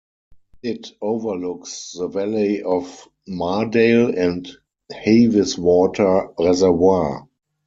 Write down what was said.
It overlooks the valley of Mardale and Haweswater Reservoir.